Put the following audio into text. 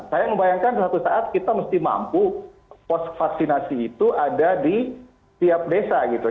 saya membayangkan suatu saat kita mesti mampu pos vaksinasi itu ada di tiap desa gitu